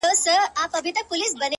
خو زه؛